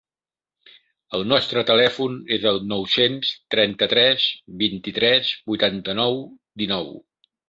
El nostre telèfon és el nou-cents trenta-tres vint-i-tres vuitanta-nou dinou.